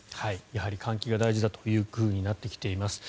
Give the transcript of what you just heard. やはり換気が大事だとなってきています。